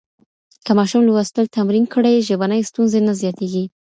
که ماشوم لوستل تمرین کړي، ژبني ستونزې نه زیاتېږي.